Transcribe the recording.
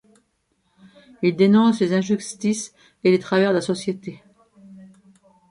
Ils dénoncent les injustices et les travers de la société.